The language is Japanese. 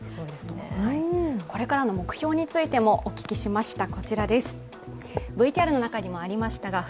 これからの目標についてもお聞きしました。